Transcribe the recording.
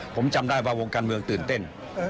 ผมจำได้ว่าวงการเมืองตื่นเต้น